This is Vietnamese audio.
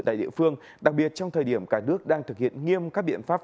tại địa phương đặc biệt trong thời điểm cả nước đang thực hiện nghiêm các biện pháp